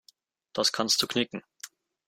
Das kannst du knicken.